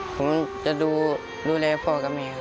ผมจะดูดูแลพ่อกับแม่